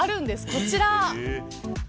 こちら。